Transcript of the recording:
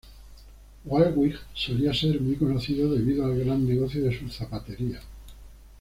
Waalwijk solía ser muy conocido debido al gran negocio de sus zapaterías.